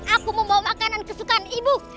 aku membawa makanan kesukaan ibu